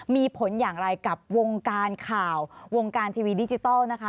มีผลอย่างไรกับวงการข่าววงการทีวีดิจิทัลนะคะ